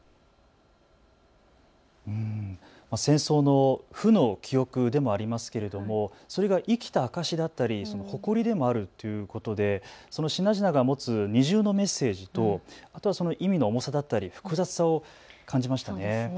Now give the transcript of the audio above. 戦争の負の記憶でもありますけれども、それが生きた証しだったり、誇りでもあるということで、その品々が持つ二重のメッセージと意味の重さだったり、複雑さを感じましたね。